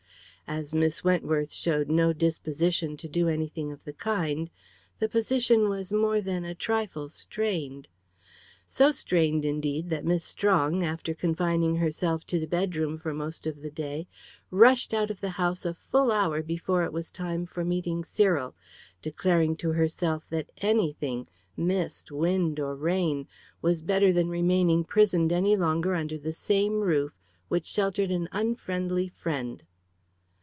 As Miss Wentworth showed no disposition to do anything of the kind, the position was more than a trifle strained. So strained indeed that Miss Strong, after confining herself to the bedroom for most of the day, rushed out of the house a full hour before it was time for meeting Cyril, declaring to herself that anything mist, wind, or rain was better than remaining prisoned any longer under the same roof which sheltered an unfriendly friend.